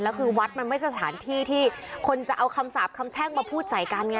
แล้วคือวัดมันไม่ใช่สถานที่ที่คนจะเอาคำสาปคำแช่งมาพูดใส่กันไง